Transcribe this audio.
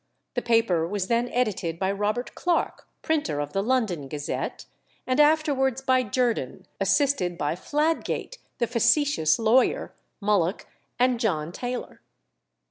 The paper was then edited by Robert Clark, printer of the London Gazette, and afterwards by Jerdan, assisted by Fladgate the facetious lawyer, Mulloch, and John Taylor.